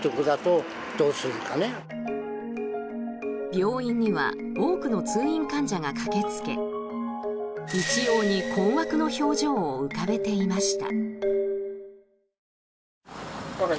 病院には多くの通院患者が駆けつけ一様に困惑の表情を浮かべていました。